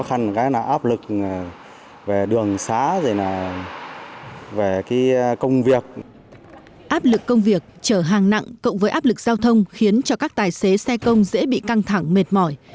áp lực công việc trở hàng nặng cộng với áp lực giao thông khiến cho các tài xế xe công dễ bị căng thẳng mệt mỏi